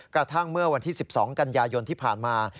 กระทั่งเมื่อวันที่๑๒กันยายนที่ผ่านมา